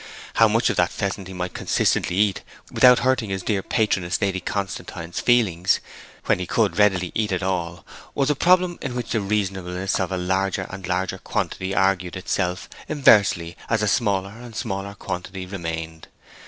How much of that pheasant he might consistently eat without hurting his dear patroness Lady Constantine's feelings, when he could readily eat it all, was a problem in which the reasonableness of a larger and larger quantity argued itself inversely as a smaller and smaller quantity remained.